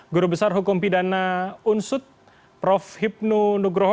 guru besar hukum pidana unsut prof hipnu nugroho